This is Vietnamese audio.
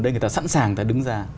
để người ta sẵn sàng đứng ra